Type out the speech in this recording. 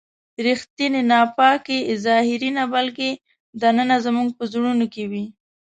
ریښتینې ناپاکي ظاهري نه بلکې دننه زموږ په زړونو کې وي.